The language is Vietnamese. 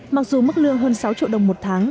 mặc dù mức lương hơn sáu triệu đồng một tháng